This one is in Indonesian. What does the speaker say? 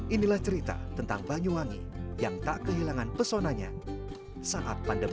inilah cerita tentang banyuwangi yang tak kehilangan pesonanya saat pandemi